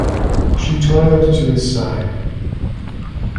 She toiled to his side.